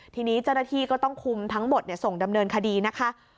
ทีนี้เจ้าหน้าที่ก็ต้องคุมทั้งหมดส่งดำเนินคดีนะคะ